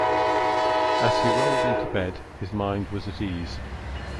As he rolled into bed his mind was at ease.